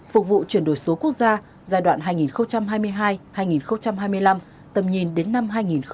phục vụ chuyển đổi số quốc gia giai đoạn hai nghìn hai mươi hai hai nghìn hai mươi năm tầm nhìn đến năm hai nghìn ba mươi